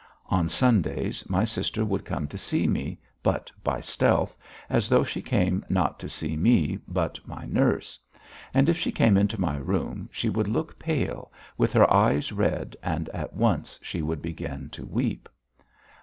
On Sundays my sister would come to see me, but by stealth, as though she came not to see me, but my nurse. And if she came into my room she would look pale, with her eyes red, and at once she would begin to weep.